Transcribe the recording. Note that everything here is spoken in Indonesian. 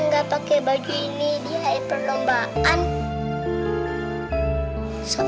gak pakai baju ini di hari perlombaan